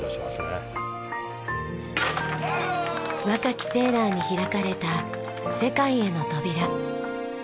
若きセーラーに開かれた世界への扉。